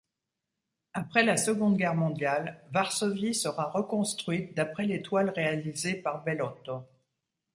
Après la Seconde Guerre mondiale, Varsovie sera reconstruite d'après les toiles réalisées par Bellotto.